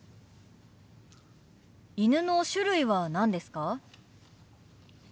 犬の種類は何ですか？